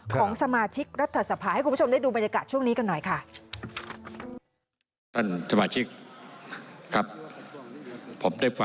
ของสมาชิกรัฐสภาให้คุณผู้ชมได้ดูบรรยากาศช่วงนี้กันหน่อยค่ะ